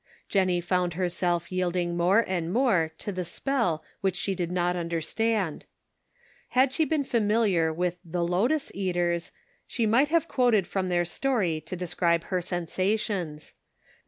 Jennie found herself yielding more and more to the spell which she did not understand. Had she been familiar with the " Lotus Eaters," she might have quoted from their story to de scribe her sensations.